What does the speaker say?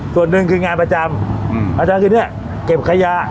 ส่วนหนึ่งคืองานประจำประจำคือเนี่ยเก็บขยะ